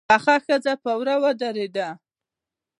پخه ښځه په وره ودرېده.